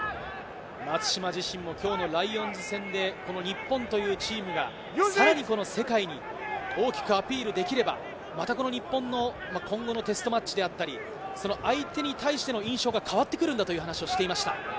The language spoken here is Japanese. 松島自身も今日のライオンズ戦で、この日本というチームがさらに世界に大きくアピールできれば、また日本の今後のテストマッチであったり、相手に対しての印象が変わってくるんだという話をしていました。